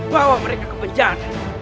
bawa mereka ke penjara